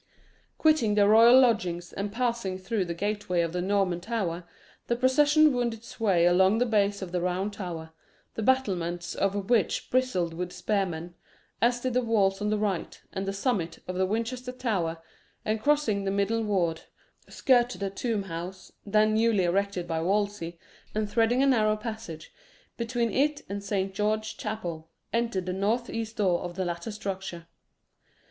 Quitting the royal lodgings, and passing through the gateway of the Norman Tower, the procession wound its way along the base of the Round Tower, the battlements of which bristled with spearmen, as did the walls on the right, and the summit of the Winchester Tower, and crossing the middle ward, skirted the tomb house, then newly erected by Wolsey, and threading a narrow passage between it and Saint George's Chapel, entered the north east door of the latter structure.